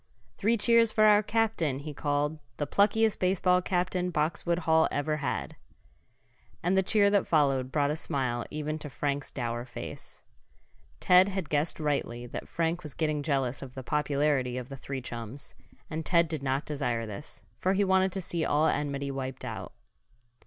"Three cheers for our captain!" he called. "The pluckiest baseball captain Boxwood Hall ever had." And the cheer that followed brought a smile even to Frank's dour face. Ted had guessed rightly that Frank was getting jealous of the popularity of the three chums, and Ted did not desire this, for he wanted to see all enmity wiped out.